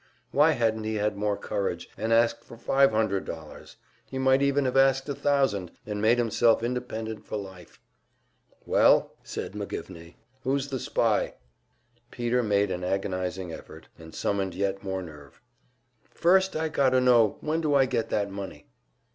Why hadn't he had more courage, and asked for five hundred dollars? He might even have asked a thousand, and made himself independent for life! "Well," said McGivney, "who's the spy?" Peter made an agonizing, effort, and summoned yet more nerve. "First, I got to know, when do I get that money?"